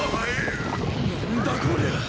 何だこりゃあ！